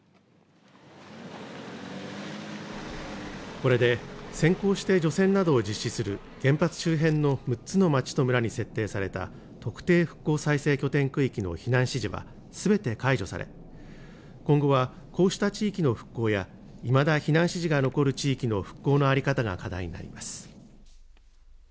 これで先行して除染などを実施する原発周辺の６つの町と村に制定された特定復興再生拠点区域の避難指示はすべて解除され今後はこうした地域の復興やいまだ避難指示が残る地域の復興の在り方が課題になります。